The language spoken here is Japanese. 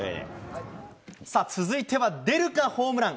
続いては、出るかホームラン。